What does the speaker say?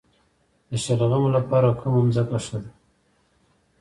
د شلغمو لپاره کومه ځمکه ښه ده؟